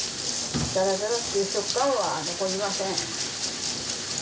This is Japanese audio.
ザラザラっていう食感は残りません。